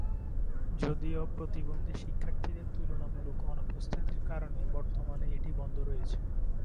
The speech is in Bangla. যদিও প্রতিবন্ধী শিক্ষার্থীদের তুলনামূলক অনুপস্থিতির কারণে বর্তমানে এটি বন্ধ রয়েছে।